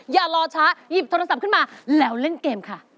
อย่ารอช้าหยิบโทรศัพท์ขึ้นมาแล้วเล่นเกมค่ะ